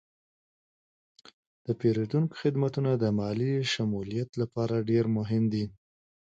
د پیرودونکو خدمتونه د مالي شمولیت لپاره ډیر مهم دي.